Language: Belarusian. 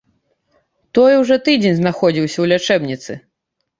Той ужо тыдзень знаходзіўся ў лячэбніцы.